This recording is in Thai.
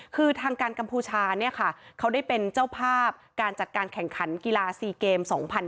คือทางการกัมพูชาเขาได้เป็นเจ้าภาพการจัดการแข่งขันกีฬา๔เกม๒๐๑๖